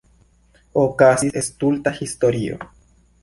Okazis stulta historio.